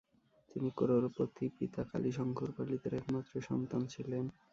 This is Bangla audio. তিনি ক্রোড়পতি পিতা কালীশঙ্কর পালিতের একমাত্র সন্তান ছিলেন।